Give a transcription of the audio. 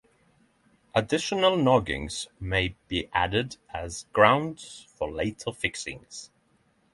Additional noggings may be added as grounds for later fixings.